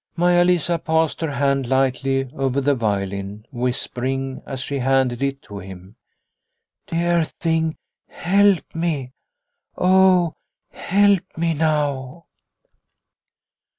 Maia Lisa passed her hand lightly over the violin, whispering, as she handed it to him :" Dear thing, help me, oh help me now